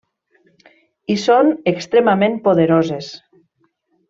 I són extremament poderoses.